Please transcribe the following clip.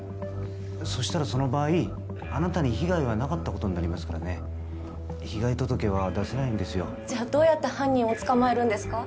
そしたらその場合あなたに被害はなかったことになりますからね被害届は出せないんですよじゃどうやって犯人を捕まえるんですか？